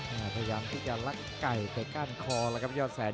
พยายามที่จะลักไก่เตะก้านคอแล้วครับยอดแสน